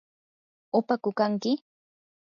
¿upaku kanki?